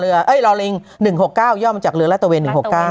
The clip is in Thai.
ลอเรือรอลิง๑๖๙ย่อมจากเรือละตะเวน๑๖๙